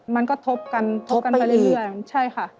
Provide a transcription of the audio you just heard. มันก็ทบกันไปแน็ตเรื่อยใช่ค่ะ